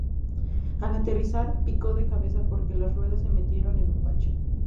Al aterrizar picó de cabeza porque las ruedas se metieron en un bache.